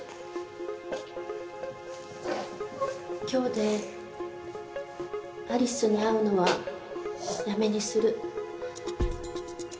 今日でアリスに会うのはやめにする。